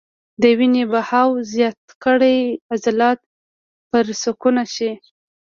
د وينې بهاو زيات کړي عضلات پرسکونه شي -